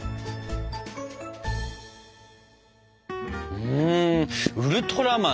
うんウルトラマン